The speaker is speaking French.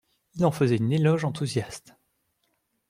Il en faisait un éloge enthousiaste.